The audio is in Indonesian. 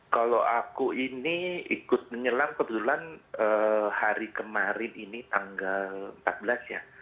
kalau aku ini ikut menyelam kebetulan hari kemarin ini tanggal empat belas ya